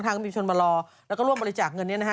ก็มีชนมารอแล้วก็ร่วมบริจาคเงินเนี่ยนะฮะ